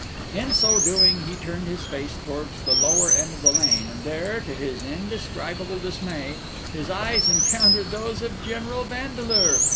In so doing he turned his face towards the lower end of the lane, and there, to his indescribable dismay, his eyes encountered those of General Vandeleur.